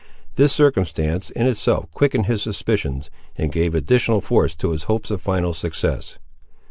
This circumstance, in itself, quickened his suspicions, and gave additional force to his hopes of final success.